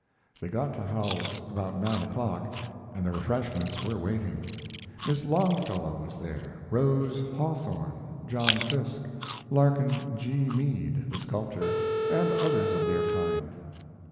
They got to Howells's about nine o'clock, and the refreshments were waiting. Miss Longfellow was there, Rose Hawthorne, John Fiske, Larkin G. Mead, the sculptor, and others of their kind.